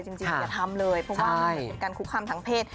จริงอย่าทำเลยเพราะว่ามันเป็นการคุกคามทางเพศ